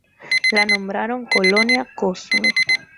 La nombraron Colonia Cosme.